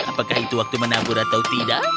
apakah itu waktu menabur atau tidak